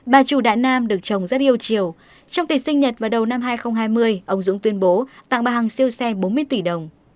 bà trù đại nam được trồng rất yêu chiều trong ti sinh nhật vào đầu năm hai nghìn hai mươi ông dũng tuyên bố tặng bà hằng siêu xe bốn mươi tỷ đồng